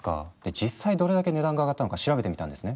実際どれだけ値段が上がったのか調べてみたんですね。